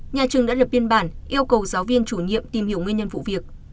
nhà trường đã lập biên bản yêu cầu giáo viên chủ nhiệm tìm hiểu nguyên nhân vụ việc